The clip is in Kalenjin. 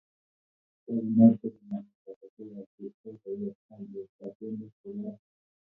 tagunot kole namet ab asoya ko kokoyai haliyet ab emet kwo barak